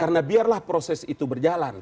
karena biarlah proses itu berjalan